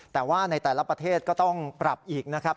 แต่ว่าในแต่ละประเทศก็ต้องปรับอีกนะครับ